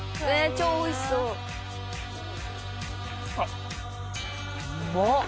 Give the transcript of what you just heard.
超おいしそう。